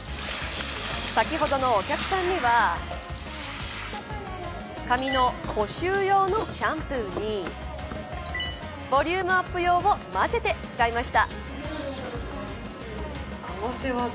先ほどのお客さんには髪の補修用のシャンプーにボリュームアップ用をまぜて使いました。